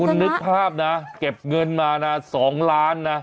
คุณนึกภาพนะเก็บเงินมานะ๒ล้านนะ